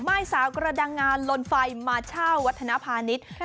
ไม่สาวกระดังงานลนไฟมาเช่าวัฒนภาณิชย์